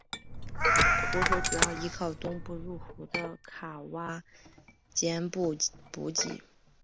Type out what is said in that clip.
湖水主要依靠东部入湖的卡挖臧布补给。